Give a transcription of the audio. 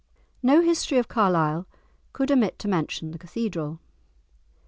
No history of Carlisle could omit to mention the Cathedral.